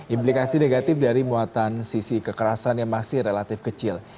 implikasi negatif dari muatan sisi kekerasan yang masih relatif kecil